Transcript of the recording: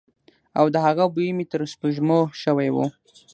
او د هغه بوی مې تر سپوږمو شوی وی.